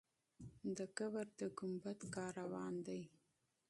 د قبر د ګمبد کار روان دی.